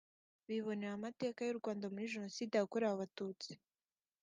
bibonera amateka y’u Rwanda muri Jenoside yakorewe Abatutsi